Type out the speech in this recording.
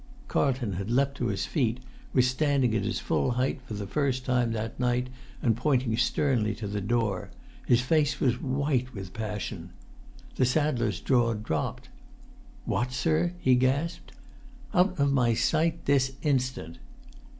Carlton had leapt to his feet, was standing at his full height for the first time that night, and pointing sternly to the door. His face was white with passion. The saddler's jaw dropped. "What, sir?" he gasped. "Out of my sight—this instant!"